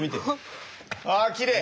あきれい！